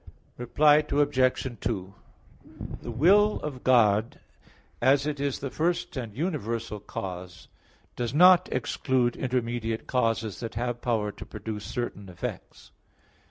Reply Obj. 2: The will of God, as it is the first and universal cause, does not exclude intermediate causes that have power to produce certain effects.